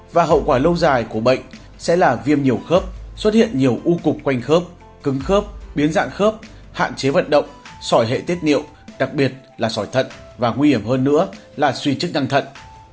và hậu quả lâu dài của bệnh sẽ là viêm nhiều khớp xuất hiện nhiều u cục quanh khớp cứng khớp biến dạng khớp hạn chế vận động sỏi hệ tiết niệu đặc biệt là sỏi thận và nguy hiểm hơn nữa là suy chức năng thận